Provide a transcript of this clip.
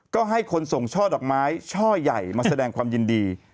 ก็ให้คนส่งช่อดอกไม้ช่อใหญ่มาแสดงความยินดี